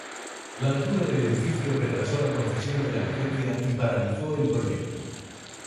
La altura del edificio retrasó la concesión de la licencia y paralizó el proyecto.